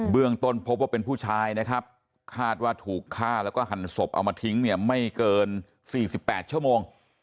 เรื่องต้นพบว่าเป็นผู้ชายนะครับคาดว่าถูกฆ่าแล้วก็หั่นศพเอามาทิ้งเนี่ยไม่เกิน๔๘ชั่วโมง